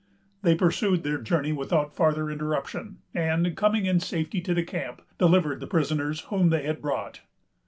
They pursued their journey without farther interruption, and, coming in safety to the camp, delivered the prisoners whom they had brought.